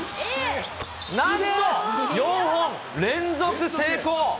なんと４本連続成功。